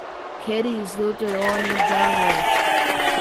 Kate is Luther's only daughter.